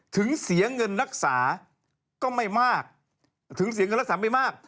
ถึงเสียเงินนักสาก็ไม่มาก